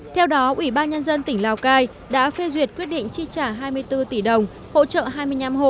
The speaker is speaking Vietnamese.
theo đó ủy ban nhân dân tỉnh lào cai đã phê duyệt quyết định chi trả hai mươi bốn tỷ đồng hỗ trợ hai mươi năm hộ